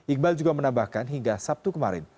iqbal juga menambahkan hingga sabtu kemarin